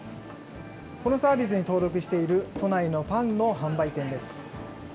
このサービスに登録している都内のパンの販売店です。